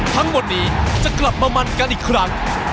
ทั้งหมดนี้จะกลับมามันกันอีกครั้ง